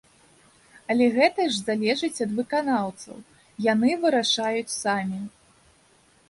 Але гэта ж залежыць ад выканаўцаў, яны вырашаюць самі.